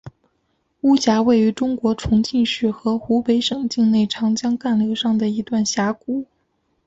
巫峡位于中国重庆市和湖北省境内长江干流上的一段峡谷。